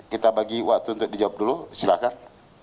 kita bagi waktu untuk dijawab dulu silakan